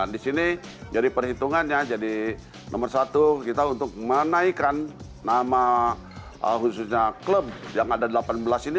di sini jadi perhitungannya jadi nomor satu kita untuk menaikkan nama khususnya klub yang ada delapan belas ini